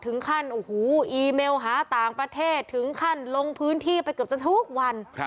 ถึงขั้นโอ้โหอีเมลหาต่างประเทศถึงขั้นลงพื้นที่ไปเกือบจะทุกวัน